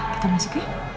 ya kita masuk ya